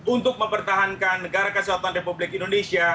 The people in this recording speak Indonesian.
untuk mempertahankan negara keselatan republik indonesia